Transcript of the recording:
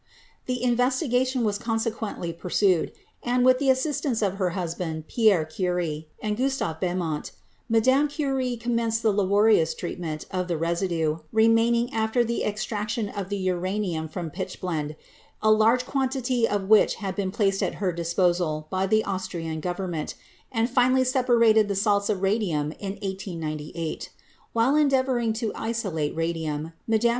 The investigation was consequently pursued, and, with the assistance of her husband, Pierre Curie, and Gustave Bemont, Mme. Curie commenced the laborious treatment of the residue remaining after the extraction of the ura nium from pitchblende, a large quantity of which had been placed at her disposal by the Austrian Government, and finally separated the salts of radium in 1898. While en deavoring to isolate radium, Mme.